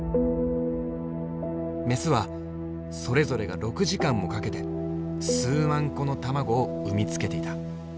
メスはそれぞれが６時間もかけて数万個の卵を産み付けていた。